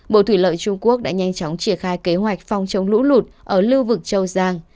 bộ thủy lợi trung quốc đã nhanh chóng triển khai kế hoạch phòng chống lũ lụt ở lưu vực châu giang